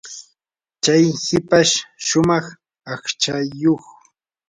chay hipash shumaq aqchayuq.